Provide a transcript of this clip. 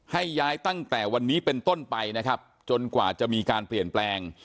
ให้ย้ายตั้งแต่วันนี้เป็นต้นไปนะครับจนกว่าจะมีการเปลี่ยนแปลง